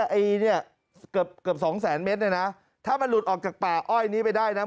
ไอ้เนี่ยเกือบเกือบสองแสนเมตรเนี่ยนะถ้ามันหลุดออกจากป่าอ้อยนี้ไปได้นะ